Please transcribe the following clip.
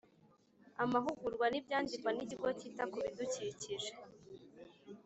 Amahugurwa n Ibyandikwa n Ikigo cyita ku bidukikije